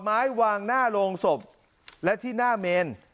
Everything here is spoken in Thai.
ทางหน้าลงศพและที่หน้าเมน